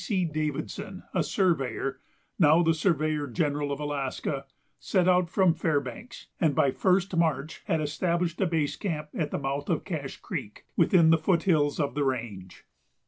C. Davidson, a surveyor, now the surveyor general of Alaska, set out from Fairbanks, and by 1st March had established a base camp at the mouth of Cache Creek, within the foot hills of the range.